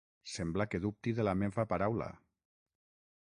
Sembla que dubti de la meva paraula.